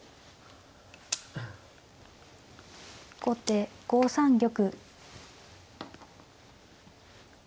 後手５三玉。